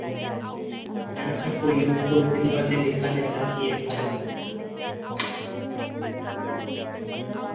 न्यासा और युग को 'दिलवाले' दिखाना चाहती हैं काजोल